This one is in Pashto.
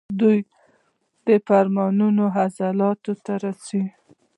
دوی فرمانونه عضلاتو ته رسوي.